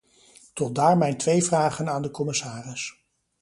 Tot daar mijn twee vragen aan de commissaris.